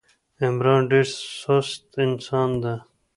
عمران ډېر سوست انسان ده.